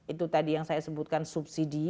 itu tadi yang saya sebutkan subsidi